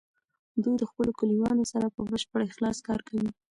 دوی د خپلو کلیوالو سره په بشپړ اخلاص کار کوي.